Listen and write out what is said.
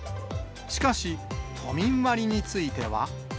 しかし、都民割については。